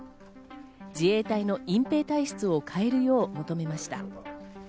自衛隊の隠ぺい体質を変えるよう求めました。